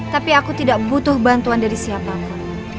tapi aku tidak butuh bantuan dari siapa siapa